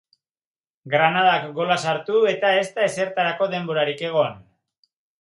Granadak gola sartu, eta ez da ezertarako denborarik egon.